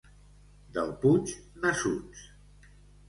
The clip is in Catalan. Del Puig, nassuts.